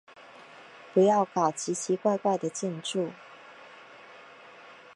不要搞奇奇怪怪的建筑。